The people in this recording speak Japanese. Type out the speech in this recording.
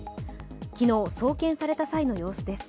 昨日、送検された際の様子です。